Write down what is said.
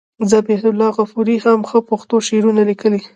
ذبیح الله غفوري هم ښه پښتو شعرونه لیکي.